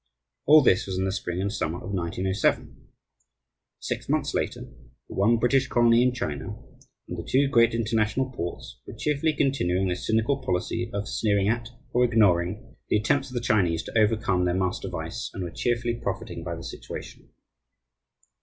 All this was in the spring and summer of 1907. Six months later, the one British colony in China, and the two great international ports, were cheerfully continuing their cynical policy of sneering at or ignoring the attempts of the Chinese to overcome their master vice, and were cheerfully profiting by the situation.